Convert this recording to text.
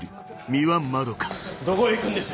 どこへ行くんです？